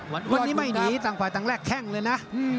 วันนี้ไม่หนีต่างฝ่ายต่างแรกแข้งเลยนะ